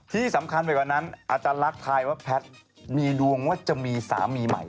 ที่สำคัญไปกว่านั้นอาจารย์ลักษ์ทายว่าแพทย์มีดวงว่าจะมีสามีใหม่